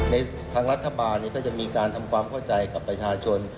ในทางรัฐบาลก็จะมีการทำความเข้าใจกับประชาชน